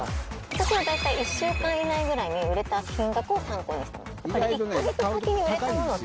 私は大体、１週間以内ぐらいに売れた金額を参考にしています。